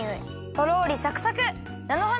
とろりサクサク！